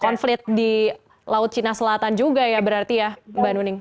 konflit di laut china selatan juga ya berarti ya mbak details